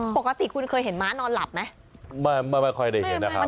ปกติคุณเคยเห็นม้านอนหลับไหมไม่ไม่ค่อยได้เห็นนะครับ